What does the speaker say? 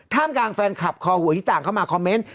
ท่ามการแฟนคลับคอหัวพิตาเข้ามาคอมเม้นต์